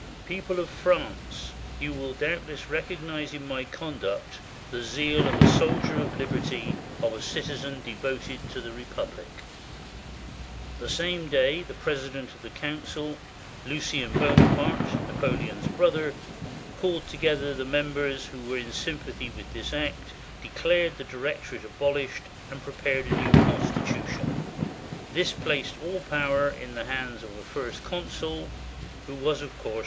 "People of France, you will doubtless recognize in my conduct the zeal of a soldier of liberty, of a citizen devoted to the Republic." The same day the president of the council, Lucien Bona parte, Napoleon's brother, called together the members who were in sympathy with this act, declared the Director ate abolished, and prepared a new constitution. This placed all power in the hands of a First Consul — who was, of course.